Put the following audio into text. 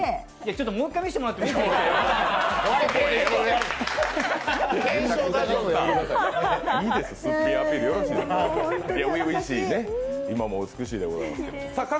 ちょっともう一回見せてもらってもいいですか？